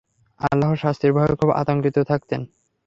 আল্লাহর শাস্তির ভয়ে খুব আতঙ্কিত থাকতেন।